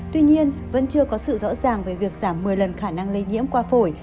tuy nhiên vẫn chưa có sự rõ ràng về việc giảm một mươi lần khả năng lây nhiễm qua phổi